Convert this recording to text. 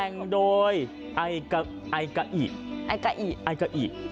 แต่งโดยไอกะอิไอกะอิ